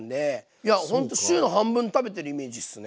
いやほんと週の半分食べてるイメージっすね。